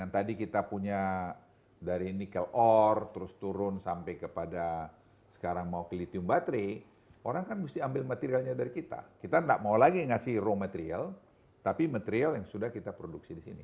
jadi kita punya dari nikel ore terus turun sampai kepada sekarang mau ke lithium baterai orang kan mesti ambil materialnya dari kita kita gak mau lagi ngasih raw material tapi material yang sudah kita produksi di sini